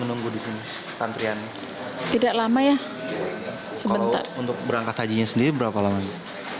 untuk berangkat hajinya sendiri berapa lamanya